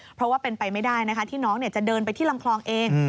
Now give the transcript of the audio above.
เพราะว่าเป็นไปไม่ได้นะคะที่น้องจะเดินไปที่ลำคลองเอง